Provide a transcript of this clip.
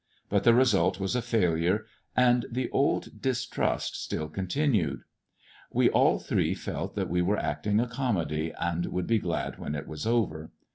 But the result was j a failure, and the old distrust still continued. We all three felt that we were acting a comedy, and would be glad when I it was over.